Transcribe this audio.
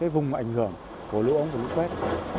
vùng ảnh hưởng của lũ ống và lũ quét